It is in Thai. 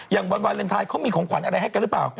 วันวาเลนไทยเขามีของขวัญอะไรให้กันหรือเปล่า